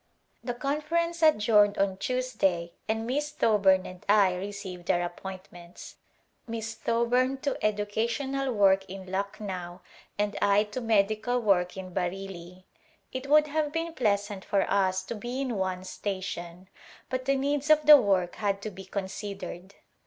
The conference adjourned on Tuesday and Miss Thoburn and I received our appointments, Miss Tho burn to educational work in Lucknow and I to med ical work in Bareilly. It would have been pleasant for us to be in one station but the needs of the work had to be considered.